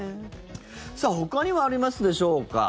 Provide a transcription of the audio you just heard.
ほかにもありますでしょうか？